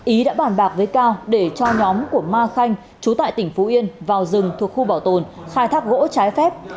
ý đã bàn bạc với cao để cho nhóm của ma khanh chú tại tỉnh phú yên vào rừng thuộc khu bảo tồn khai thác gỗ trái phép